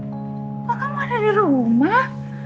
bapak kamu ada di rumah